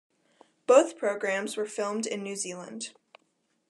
Both programs were filmed in New Zealand.